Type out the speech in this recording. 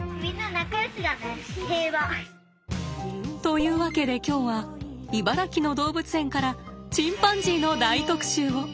というわけで今日は茨城の動物園からチンパンジーの大特集を。